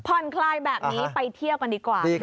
คลายแบบนี้ไปเที่ยวกันดีกว่า